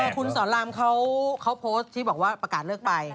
คุณสอนรามเขาโพสต์ที่บอกว่าประกาศเลิกไป